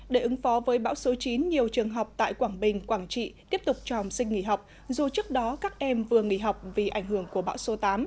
để ứng phó với bão số chín nhiều trường học tại quảng bình quảng trị tiếp tục cho học sinh nghỉ học dù trước đó các em vừa nghỉ học vì ảnh hưởng của bão số tám